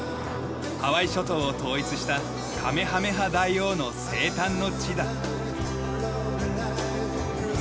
ハワイ諸島を統一したカメハメハ大王の生誕の地だ。